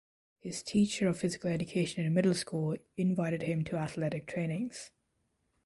His teacher of physical education in middle school invited him to athletic trainings.